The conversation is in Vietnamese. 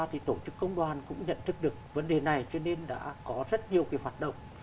thì tổ chức công đoàn cũng nhận thức được vấn đề này cho nên đã có rất nhiều cái hoạt động